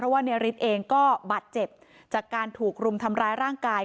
ว่าในฤทธิ์เองก็บาดเจ็บจากการถูกรุมทำร้ายร่างกาย